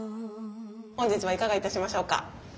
本日はいかが致しましょうか？